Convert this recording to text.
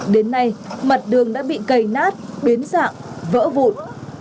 đến nay mặt đường đã bị cây nát biến dạng vỡ vụn